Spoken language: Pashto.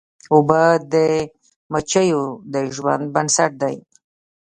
اوبه د مچیو د ژوند بنسټ دي.